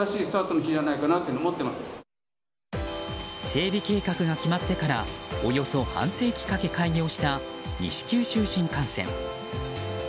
整備計画が決まってからおよそ半世紀かけ開業した西九州新幹線。